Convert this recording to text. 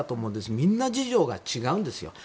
みんな事情が違うんですよ。